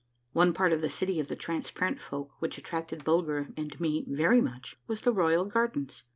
One part of the city of the Transparent Folk which attracted Bulger and me very much was the royal gardens.